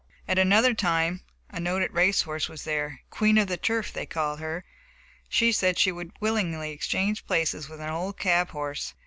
At another time a noted race horse was there, "Queen of the Turf," they called her. She said she would willingly exchange places with an old cab horse.